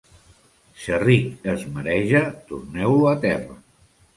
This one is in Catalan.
Xerric que es mareja, torneu-lo a terra.